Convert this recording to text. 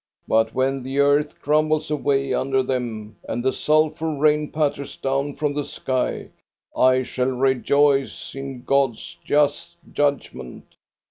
But when the earth crumbles away under them, and the sulphur rain patters down from the sky, I shall rejoice in God's just judgment.